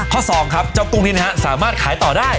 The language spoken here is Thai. สองครับเจ้ากุ้งนี้นะฮะสามารถขายต่อได้